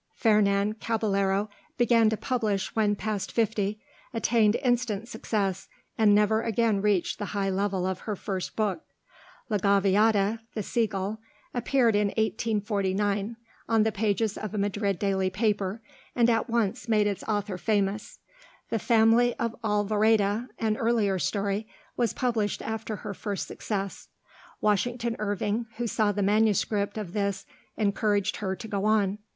Fernan Caballero began to publish when past fifty, attained instant success, and never again reached the high level of her first book. 'La Gaviota' (The Sea Gull) appeared in 1849 in the pages of a Madrid daily paper, and at once made its author famous. 'The Family of Alvoreda,' an earlier story, was published after her first success. Washington Irving, who saw the manuscript of this, encouraged her to go on.